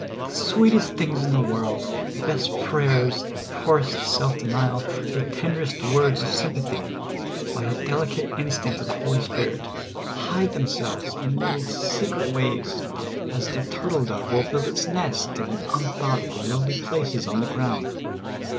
The sweetest things in the world — the best prayers, the poorest self denial, the tenderest words of sympa thy — by a delicate instinct of the Holy Spirit, hide themselves in little secret ways, as the turtle dove will build its nest in un thought of, lowly places on the ground.